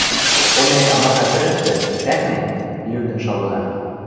Оляй амаса тӹрӹштӹ, цӓкнен, лӱдӹн шалга.